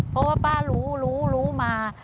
เพราะว่าป้ารู้รู้มา